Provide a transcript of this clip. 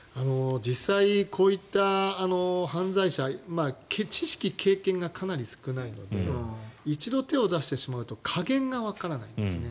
実際、こういった犯罪者知識、経験がかなり少ないので一度手を出してしまうと加減がわからないんですね。